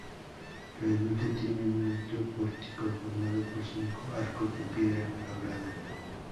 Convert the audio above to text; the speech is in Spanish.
La ermita tiene un amplio pórtico formado por cinco arcos de piedra labrada.